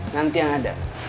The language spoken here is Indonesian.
nanti yang ada